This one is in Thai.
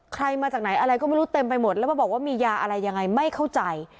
มาจากไหนอะไรก็ไม่รู้เต็มไปหมดแล้วมาบอกว่ามียาอะไรยังไงไม่เข้าใจ